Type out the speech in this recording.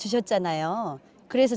ini adalah pengalaman saya